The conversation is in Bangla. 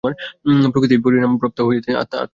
প্রকৃতিই পরিণামপ্রাপ্ত হইতেছেন, আত্মা নহেন।